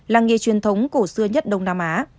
làng nghề truyền thống cổ xưa nhất đông nam á